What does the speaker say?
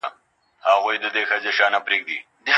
ټولنيز تعامل د کلتوري تبادلې په پرتله ډیر پیاوړی دی.